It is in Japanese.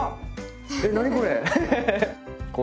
え何これ。